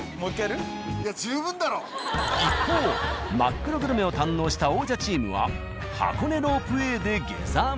一方真っ黒グルメを堪能した王者チームは箱根ロープウェイで下山。